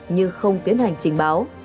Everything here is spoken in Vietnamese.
nhưng không tiến hành trình báo